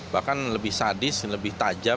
bahkan lebih sadis lebih tajam